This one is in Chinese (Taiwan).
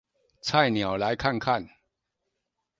菜鳥來看看